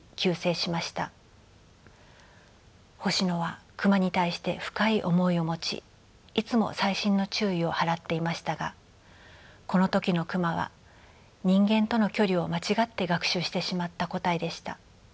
星野はクマに対して深い思いを持ちいつも細心の注意を払っていましたがこの時のクマは人間との距離を間違って学習してしまった個体でした。